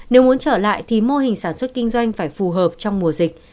nếu muốn trở lại thì mô hình sản xuất kinh doanh phải phù hợp trong mùa dịch